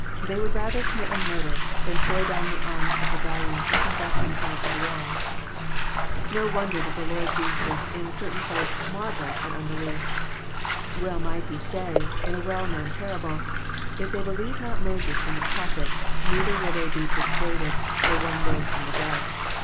They would rather commit a murder than throw down the arms of rebellion, and confess themselves in the wrong. No won der that the Lord Jesus in a certain place " marvelled " at unbelief. Well might He say, in a well known parable, "If they believe not Moses and the Prophets, neither will they be persuaded though one rose from the dead."